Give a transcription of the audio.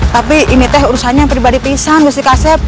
tapi ini teh urusannya pribadi pisan gusti kaset